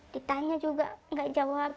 ditanya juga gak jawab